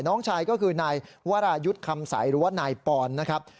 น้องชายก็คือนายวรายุทธ์คำใสหรือว่านายปอนนะครับ